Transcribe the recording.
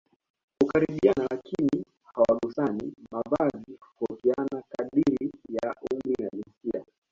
hukaribiana lakini hawagusani Mavazi hutofautiana kadiri ya umri na jinsia